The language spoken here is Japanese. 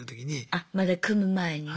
あまだ組む前にね。